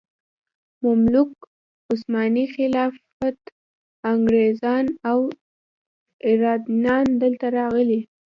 مملوک، عثماني خلافت، انګریزان او اردنیان دلته راغلي.